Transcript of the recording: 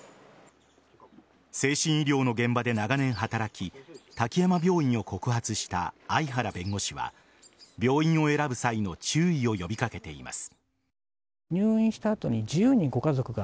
精神医療の現場で長年働き滝山病院を告発した相原弁護士は病院を選ぶ際の注意を呼び掛けています。